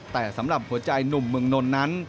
แต่สำหรับหัวใจหนุ่มเมืองนนท์นั้น